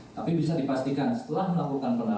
tapi bisa dipastikan setelah melakukan penangkapan